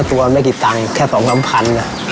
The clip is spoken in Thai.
ตัวมันได้กี่ตังค์แค่๒๐๐๐บาท